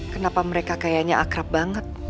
kenapa mereka kayaknya akrab banget